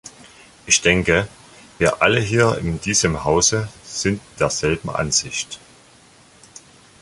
Ich denke, wir alle hier in diesem Hause sind derselben Ansicht.